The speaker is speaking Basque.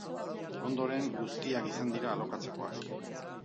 Ondoren, guztiak izango dira alokatzekoak.